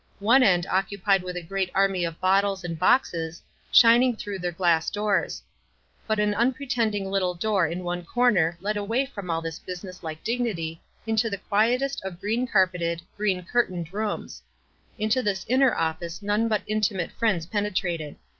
One end occupied with the great MViy of bottles and boxes, shining through their glass doors ; but an unpretending little door in one corner led WISE AND OTHERWISE. 269 away from all this business like dignity into the quietest of green carpeted, green curtained rooms. Into this inner office none but intimate friends penetrated.